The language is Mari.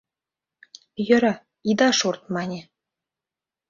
— Йӧра, ида шорт, — мане.